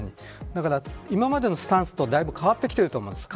だから今までのスタンスとだいぶ変わってきていると思います。